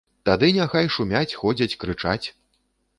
Тады няхай шумяць, ходзяць, крычаць.